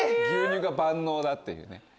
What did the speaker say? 牛乳が万能だっていうね。